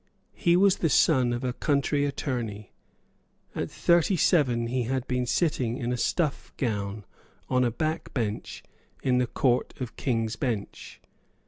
He was the son of a country attorney. At thirty seven he had been sitting in a stuff gown on a back bench in the Court of King's Bench.